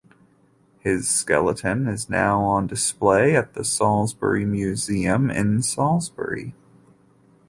His skeleton is now on display at the Salisbury Museum in Salisbury.